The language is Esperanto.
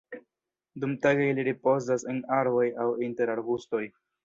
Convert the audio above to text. Dumtage ili ripozas en arboj aŭ inter arbustoj.